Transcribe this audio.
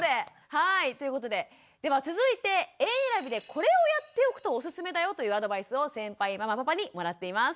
はいということででは続いて園えらびでこれをやっておくとおすすめだよというアドバイスを先輩ママパパにもらっています。